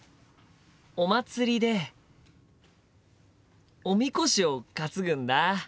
お祭りでおみこしを担ぐんだ。